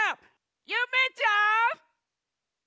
ゆめちゃん！